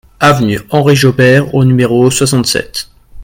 Avenue Henri Jaubert au numéro soixante-sept